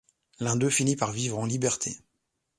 L'un d'eux finit par vivre en liberté.